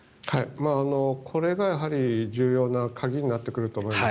これが重要な鍵になってくると思います。